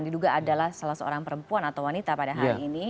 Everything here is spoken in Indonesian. diduga adalah salah seorang perempuan atau wanita pada hari ini